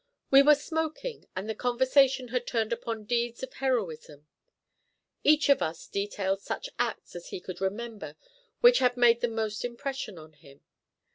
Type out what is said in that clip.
We were smoking, and the conversation had turned upon deeds of heroism. Each of us detailed such acts as he could remember which had made the most impression on him.